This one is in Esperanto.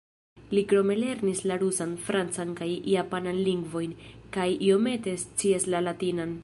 Li krome lernis la rusan, francan kaj japanan lingvojn, kaj iomete scias la latinan.